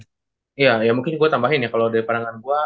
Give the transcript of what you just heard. iya ya mungkin gue tambahin ya kalo dari pandangan gue